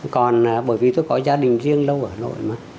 còn bởi vì tôi có gia đình riêng lâu ở nội